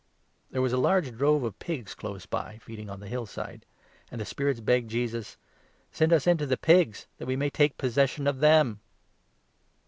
There was a large drove of 1 1 Jigs close by, feeding on the hill side. And the spirits begged 12 esus :" Send us into the pigs, that we may take possession of them."